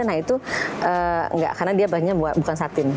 nah itu enggak karena dia bukan satin